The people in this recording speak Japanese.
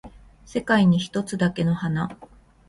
世界に一つだけの花